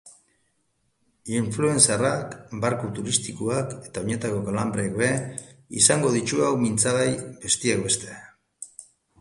Influencer-ak, barku turistikoak eta oinetako kalanbreak ere izango ditugu mintzagai besteak beste.